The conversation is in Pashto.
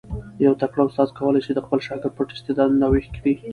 یو تکړه استاد کولای سي د خپل شاګرد پټ استعدادونه را ویښ کړي.